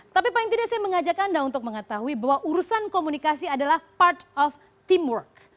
tapi paling tidak saya mengajak anda untuk mengetahui bahwa urusan komunikasi adalah part of teamwork